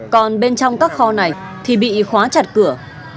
còn bên trong các kho này thì bị khóa chặt cửa